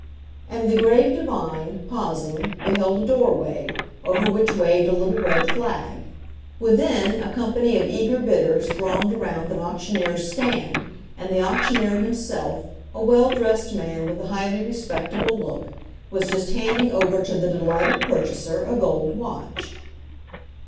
And the grave divine, pausing, beheld a doorway, over which waved a little red flag. Within, a company of eager bidders thronged around an auctioneer's stand; and the auctioneer himself, a well dressed man with a highly respectable look, was just handing over to the delighted purchaser a gold watch.